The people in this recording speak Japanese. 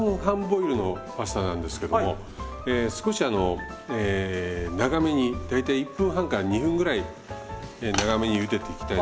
ボイルのパスタなんですけども少し長めに大体１分半から２分ぐらい長めにゆでていきたいなと思います。